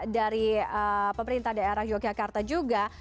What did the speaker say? dari pemerintah daerah yogyakarta juga